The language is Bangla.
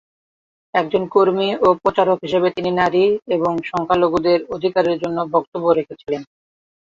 একজন কর্মী ও প্রচারক হিসাবে তিনি নারী এবং সংখ্যালঘুদের অধিকারের জন্য বক্তব্য রেখেছিলেন।